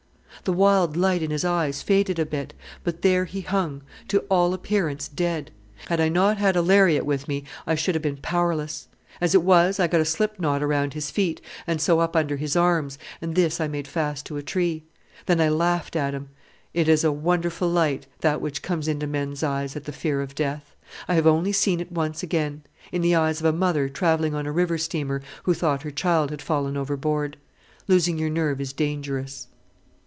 The wild light in his eyes faded a bit, but there he hung, to all appearance dead. Had I not had a lariat with me I should have been powerless. As it was, I got a slip knot around his feet, and so up under his arms, and this I made fast to a tree. Then I laughed at him. It is a wonderful light, that which comes into men's eyes at the fear of death. I have only seen it once again in the eyes of a mother travelling on a river steamer who thought her child had fallen overboard. Losing your nerve is dangerous."